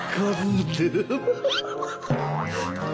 ความลืม